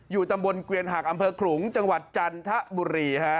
ตำบลเกวียนหักอำเภอขลุงจังหวัดจันทบุรีฮะ